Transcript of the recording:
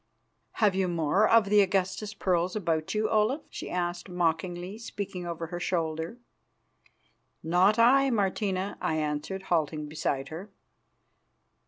"Have you more of the Augusta's pearls about you, Olaf?" she asked mockingly, speaking over her shoulder. "Not I, Martina," I answered, halting beside her.